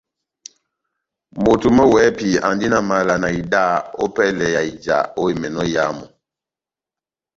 Moto mɔ́ wɛ́hɛ́pi andi na mala na ida ópɛlɛ ya ija ó emɛnɔ éyamu.